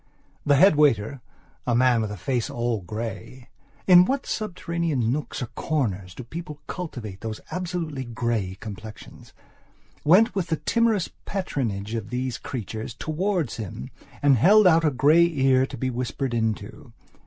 The head waiter, a man with a face all greyin what subterranean nooks or corners do people cultivate those absolutely grey complexions?went with the timorous patronage of these creatures towards him and held out a grey ear to be whispered into.